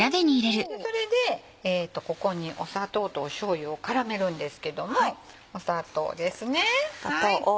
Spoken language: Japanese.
それでここに砂糖としょうゆを絡めるんですけども砂糖です。